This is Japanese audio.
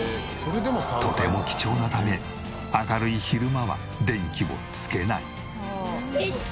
とても貴重なため明るい昼間は電気をつけない。